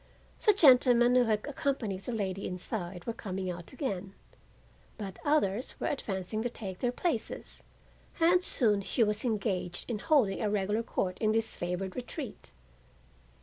The gentlemen who had accompanied the lady inside were coming out again, but others were advancing to take their places, and soon she was engaged in holding a regular court in this favored retreat.